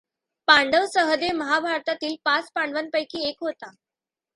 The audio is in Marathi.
पांडव सहदेव महाभारतातील पाच पांडवांपैकी एक होता.